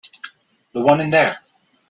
The one in there.